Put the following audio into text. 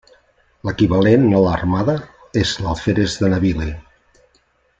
L'equivalent a l'armada és l'alferes de navili.